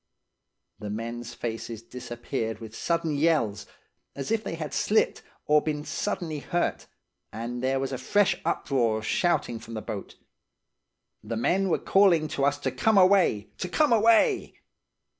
"The men's faces disappeared with sudden yells, as if they had slipped, or been suddenly hurt; and there was a fresh uproar of shouting from the boat. The men were calling to us to come away–to come away.